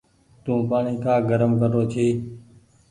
تو پآڻيٚ ڪآ گرم ڪر رو ڇي۔